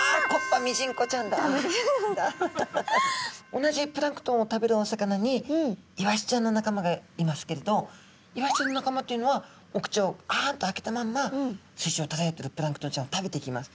同じプランクトンを食べるお魚にイワシちゃんの仲間がいますけれどイワシちゃんの仲間というのはお口をあんと開けたまんま水中をただっているプランクトンちゃんを食べていきます。